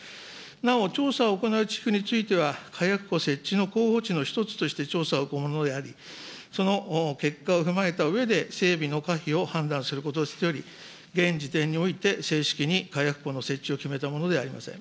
なお、調査を行う地区については、火薬庫設置の候補地の１つとして調査を行うものであり、その結果を踏まえたうえで、整備の可否を判断することとしており、現時点において正式に火薬庫の設置を決めたものではありません。